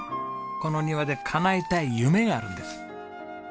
この庭で叶えたい夢があるんです。